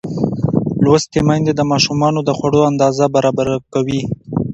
لوستې میندې د ماشومانو د خوړو اندازه برابره کوي.